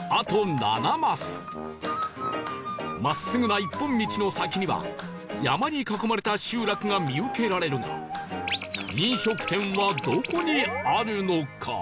真っすぐな一本道の先には山に囲まれた集落が見受けられるが飲食店はどこにあるのか？